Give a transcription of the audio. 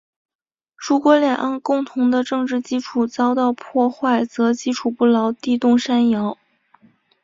如果两岸共同的政治基础遭到破坏，则基础不牢，地动山摇。